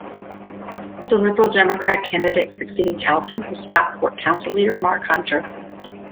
The Liberal Democrat candidate succeeding Calton was Stockport council leader Mark Hunter.